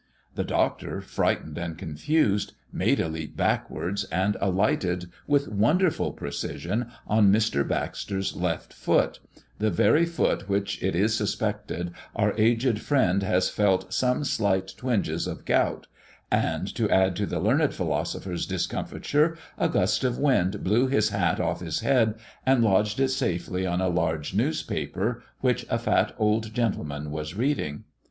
The Doctor, frightened and confused, made a leap backwards, and alighted with wonderful precision on Mr. Baxter's left foot, the very foot in which it is suspected our aged friend has felt some slight twinges of gout, and, to add to the learned philosopher's discomfiture, a gust of wind blew his hat off his head, and lodged it safely on a large newspaper which a fat old gentleman was reading.